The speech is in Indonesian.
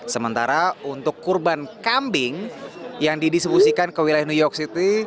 sementara untuk kurban kambing yang didistribusikan ke wilayah new york city